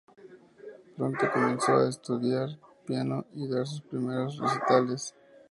Pronto comenzó a estudiar piano y a dar sus primeros recitales.